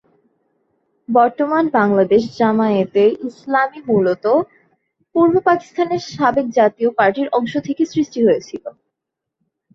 বর্তমান বাংলাদেশ জামায়াতে ইসলামী মূলত পূর্ব পাকিস্তানের সাবেক জাতীয় পার্টির অংশ থেকে সৃষ্টি হয়েছিল।